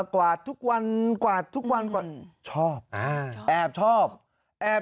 คุณผู้ชมครับ